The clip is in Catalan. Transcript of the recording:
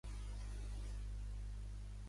Treu la llengua i l'aplica “a pell”.